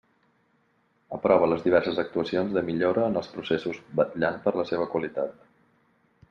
Aprova les diverses actuacions de millora en els processos vetllant per la seva qualitat.